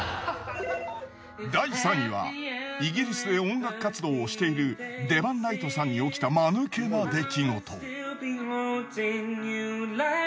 第３位はイギリスで音楽活動をしているデバン・ライトさんに起きたマヌケな出来事。